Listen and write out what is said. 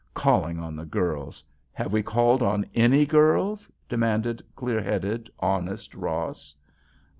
"Calling on the girls! Have we called on any girls?" demanded clear headed, honest Ross.